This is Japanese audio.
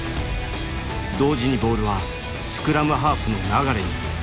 同時にボールはスクラムハーフの流に。